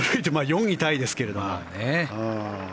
４位タイですけれども。